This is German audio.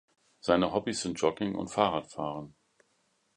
Seine Hobbys sind Jogging und Fahrradfahren.